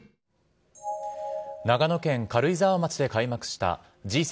長野県軽井沢町で開幕したＧ７